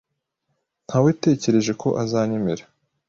Nawetekereje ko azanyemera.